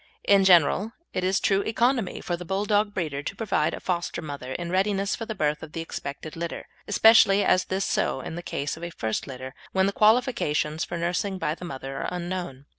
In general, it is true economy for the Bulldog breeder to provide a foster mother in readiness for the birth of the expected litter; especially is this so in the case of a first litter, when the qualifications for nursing by the mother are unknown.